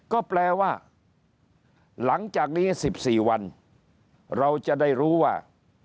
ก็แปลว่าหลังจากนี้๑๔วันเราจะได้รู้ว่า